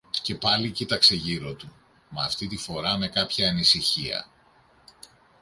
Και πάλι κοίταξε γύρω του, μα αυτή τη φορά με κάποια ανησυχία.